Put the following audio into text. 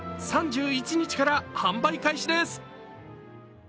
３１日から販売開始です。